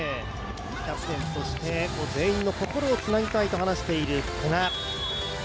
キャプテン、そして全員の心をつなぎたいと話している古賀。